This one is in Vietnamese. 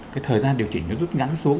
cái thời gian điều chỉnh nó rút ngắn xuống